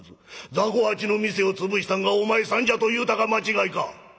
雑穀八の店を潰したんがお前さんじゃと言うたが間違いか？